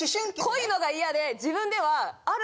濃いのが嫌で自分ではある。